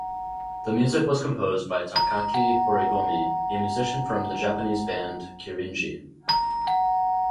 The music was composed by Takaki Horigome, a musician from the Japanese band Kirinji.